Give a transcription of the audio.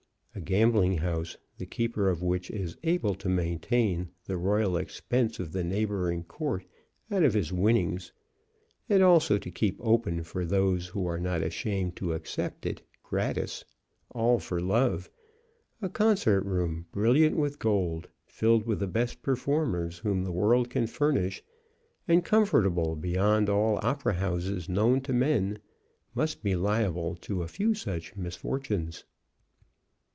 A gambling house, the keeper of which is able to maintain the royal expense of the neighboring court out of his winnings and also to keep open for those who are not ashamed to accept it, gratis, all for love, a concert room brilliant with gold, filled with the best performers whom the world can furnish, and comfortable beyond all opera houses known to men must be liable to a few such misfortunes.